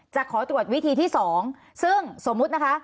จะขอตรวจวิธีที่๒ซึ่งสมมุตินะคะ